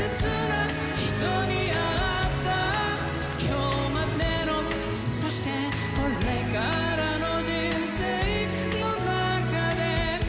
「今日までのそしてこれからの」「人生の中で」